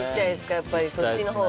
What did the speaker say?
やっぱりそっちの方